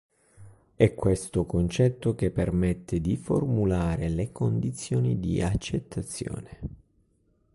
È questo concetto che permette di formulare le condizioni di accettazione.